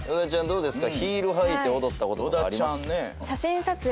どうですか。